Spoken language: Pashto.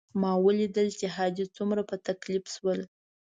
ما ولیدل چې حاجي څومره په تکلیف شول.